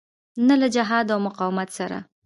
نه له جهاد او مقاومت سره.